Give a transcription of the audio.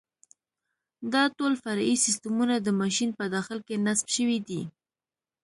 دا ټول فرعي سیسټمونه د ماشین په داخل کې نصب شوي دي.